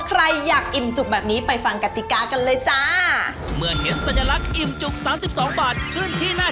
ใครอยากอิ่มจุกแบบนี้ไปฟังกติกากันเลยจ้า